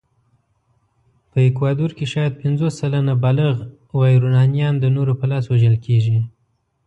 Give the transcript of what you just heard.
په اکوادور کې شاید پنځوس سلنه بالغ وایورانيان د نورو په لاس وژل کېږي.